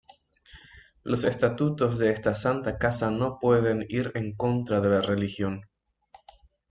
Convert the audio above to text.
los estatutos de esta santa casa no pueden ir en contra de la Religión.